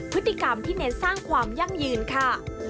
พฤติกรรมที่เน้นสร้างความยั่งยืนค่ะ